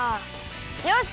よし！